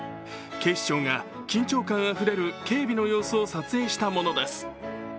警視庁が緊張感あふれる警備の様子を撮影したものです。